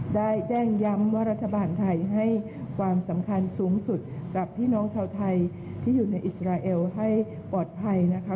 ได้แจ้งย้ำว่ารัฐบาลไทยให้ความสำคัญสูงสุดกับพี่น้องชาวไทยที่อยู่ในอิสราเอลให้ปลอดภัยนะคะ